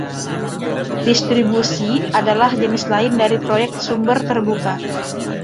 Distribusi adalah jenis lain dari proyek sumber terbuka.